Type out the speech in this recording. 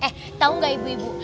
eh tau gak ibu ibu